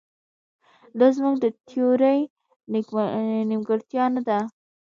دا زموږ د تیورۍ نیمګړتیا نه ده.